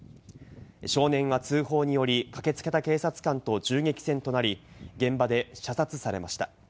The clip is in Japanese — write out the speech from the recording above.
少年は通報により駆けつけた警察官と銃撃戦となり、現場で射殺されました。